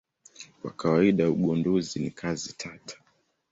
Kwa kawaida ugunduzi ni kazi tata.